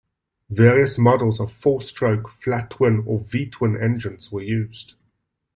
Various models of four-stroke, Flat-twin or V-twin engines were used.